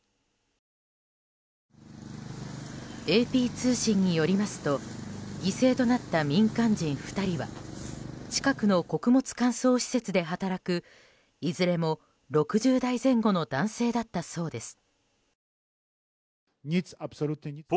ＡＰ通信によりますと犠牲となった民間人２人は近くの穀物乾燥施設で働くいずれも６０代前後の男性だったそうです。